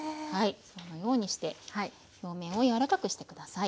そのようにして表面を柔らかくして下さい。